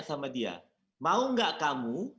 sama dia mau nggak kamu